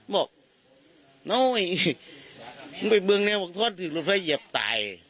บอกโน้ยไปเบื้องในหวังทอดถึงรถไฟเหยียบตาย